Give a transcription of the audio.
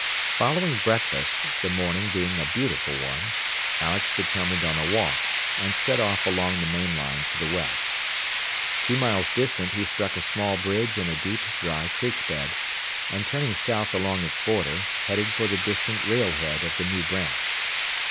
Following breakfast, the morning being a beautiful one, Alex determined on a walk, and set off along the main line to the west. Two miles distant he struck a small bridge and a deep, dry creek bed, and turning south along its border, headed for the distant rail head of the new branch.